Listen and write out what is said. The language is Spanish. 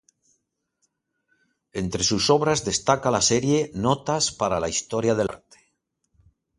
Entre sus obras destaca la serie "Notas para la Historia del Arte".